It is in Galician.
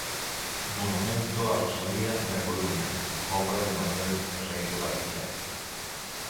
Monumento a Rosalía na Coruña, obra de Manuel Ferreiro Badía.